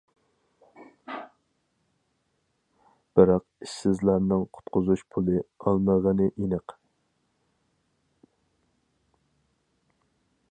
بىراق ئىشسىزلارنىڭ قۇتقۇزۇش پۇلى ئالمىغىنى ئېنىق.